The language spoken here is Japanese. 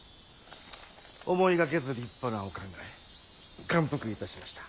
思いがけず立派なお考え感服いたしました。